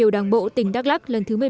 đảng bộ tỉnh đắk lắc